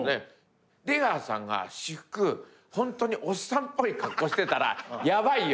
「出川さんが私服ホントにおっさんっぽい格好してたらヤバいよ」